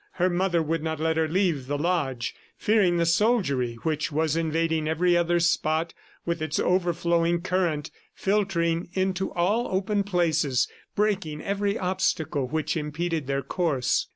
Her mother would not let her leave the lodge, fearing the soldiery which was invading every other spot with its overflowing current, filtering into all open places, breaking every obstacle which impeded their course.